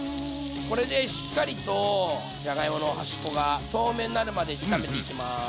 これでしっかりとじゃがいもの端っこが透明になるまで炒めていきます。